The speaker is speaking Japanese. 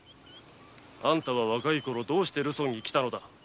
あんたは若いころどうしてルソンに来たのだ？